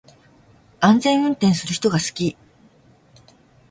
安全運転する人が好き